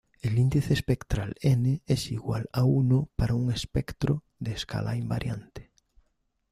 El "índice espectral", "n" es igual a uno para un espectro de escala invariante.